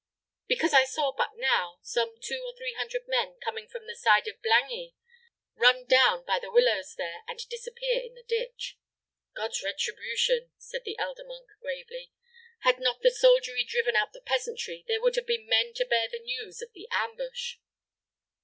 "Because I saw but now some two or three hundred men, coming from the side of Blangy, run down by the willows there, and disappear in the ditch." "God's retribution!" said the elder monk, gravely. "Had not the soldiery driven out the peasantry, there would have been men to bear the news of the ambush."